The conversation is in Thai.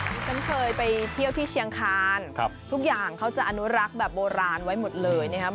ที่ฉันเคยไปเที่ยวที่เชียงคานทุกอย่างเขาจะอนุรักษ์แบบโบราณไว้หมดเลยนะครับ